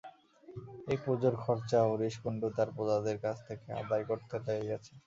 এই পুজোর খরচা হরিশ কুণ্ডু তাঁর প্রজাদের কাছ থেকে আদায় করতে লেগে গেছে।